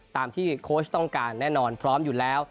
ตามที่โค้ชต้องการแน่นอนพร้อมอยู่แล้ว